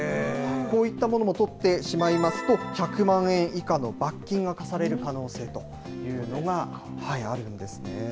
こういったものも取ってしまいますと、１００万円以下の罰金が科される可能性というのがあるんですね。